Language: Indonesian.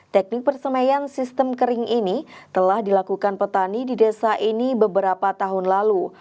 teknik persemaian sistem kering ini telah dilakukan petani di desa ini beberapa tahun lalu